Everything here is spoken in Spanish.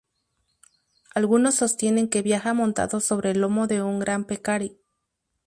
Algunos sostienen que viaja montado sobre el lomo de un gran pecarí.